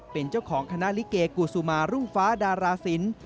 เป็นเจ้าของคณะลิเกกูซูมารุ่งฟ้าดาราศิลป์